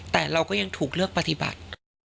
แต่เราก็ยังถูกเลือกปฏิบัติ